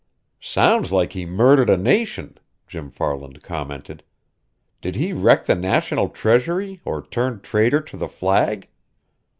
"Sounds like he murdered a nation!" Jim Farland commented. "Did he wreck the national treasury or turn traitor to the flag?"